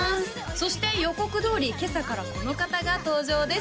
そして予告どおり今朝からこの方が登場です